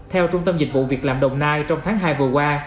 theo trung tâm dịch vụ việc làm đồng nai trong tháng hai vừa qua